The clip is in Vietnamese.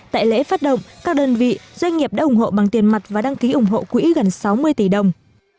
tại lễ phát động các đơn vị doanh nghiệp đã ủng hộ bằng tiền mặt và đăng ký ủng hộ quỹ gần sáu mươi tỷ đồng